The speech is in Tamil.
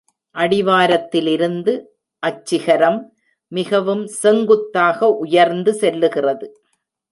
அடி வாரத்திலிருந்து அச்சிகரம் மிகவும் செங்குத்தாக உயர்ந்து செல்லுகிறது.